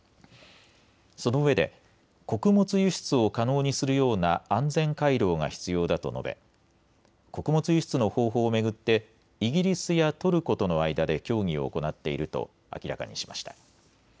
そのうえで穀物輸出を可能にするような安全回廊が必要だと述べ穀物輸出の方法を巡ってイギリスやトルコとの間で協議を行っていると明らかにしました。